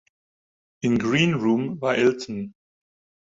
Im Green Room war Elton.